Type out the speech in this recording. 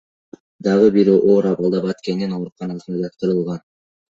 Дагы бири оор абалда Баткендин ооруканасына жаткырылган.